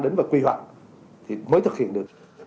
đến và quy hoạch thì mới thực hiện được